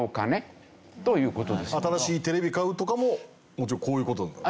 新しいテレビ買うとかももちろんこういう事なんですね？